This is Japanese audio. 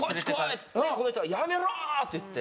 っつってこの人が「やめろ！」って言って。